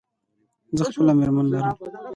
زه خپله مېرمن لرم.